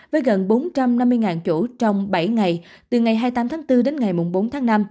với gần bốn trăm năm mươi chỗ trong bảy ngày từ ngày hai mươi tám tháng bốn đến ngày bốn tháng năm